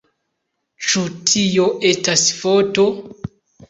Ĉu tio estas foto?